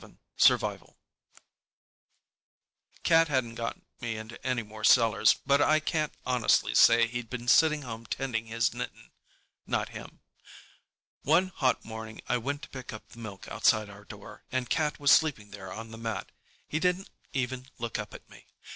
] SURVIVAL Cat hadn't got me into anymore cellars, but I can't honestly say he'd been sitting home tending his knitting—not him. One hot morning I went to pick up the milk outside our door, and Cat was sleeping there on the mat. He didn't even look up at me.